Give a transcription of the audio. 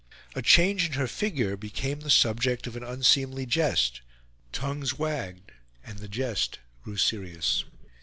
A change in her figure became the subject of an unseemly jest; tongues wagged; and the jest grew serious.